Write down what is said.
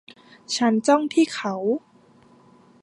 ฉันจ้องที่เขา